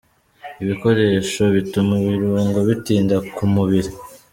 Ibikoresho bituma ibirungo bitinda ku mubiri.